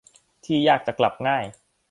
ที่ยากจะกลับง่าย